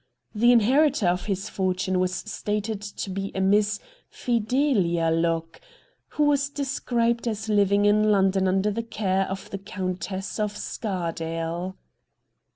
The inheritor of his fortune was stated to be a Miss Fidelia Locke, who was described as living in London under the care of the Countess of Scardale.